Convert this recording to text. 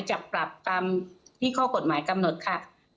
จะปรับตามที่ข้อกฎหมายกำหนดค่ะ